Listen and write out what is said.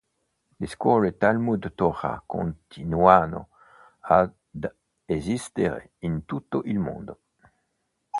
Le scuole Talmud Torah continuano ad esistere in tutto il mondo.